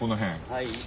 はい。